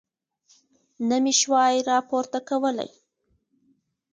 نه مې شوای راپورته کولی.